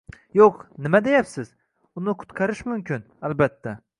Yoʻq, nima deyapsiz… Uni qutqarish mumkin, albatta.